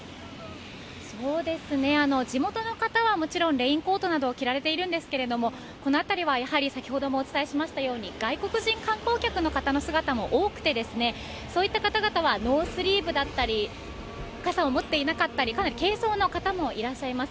地元の方はもちろんレインコートなどを着られているんですけれどもこの辺りは外国人観光客の方の姿も多くて、そういった方々はノースリーブだったり、傘を持っていなかったりかなり軽装の方もいらっしゃいます。